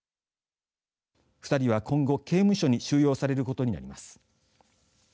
２人は今後、刑務所に収容されることになります。